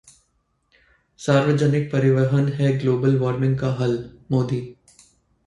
सार्वजनिक परिवहन है ग्लोबल वॉर्मिंग का हलः मोदी